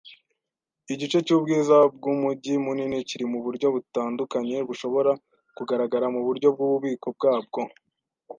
Igice cyubwiza bwumujyi munini kiri muburyo butandukanye bushobora kugaragara muburyo bwububiko bwabwo